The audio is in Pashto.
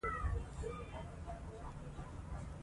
لوستونکی د ودې بلنه ترلاسه کوي.